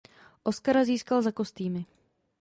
Oscara získal za kostýmy.